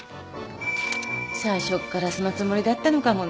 最初っからそのつもりだったのかもね